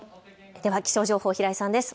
では気象情報、平井さんです。